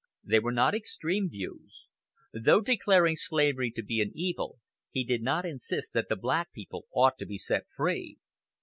They were not extreme views. Though declaring slavery to be an evil, he did not insist that the black people ought to be set free.